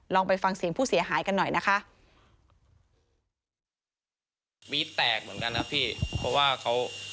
ลองไปฟังเสียงผู้เสียหายกันหน่อยนะคะ